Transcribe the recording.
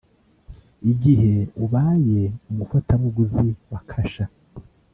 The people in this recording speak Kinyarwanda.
Igihe ubaye umufatabuguzi wa Kasha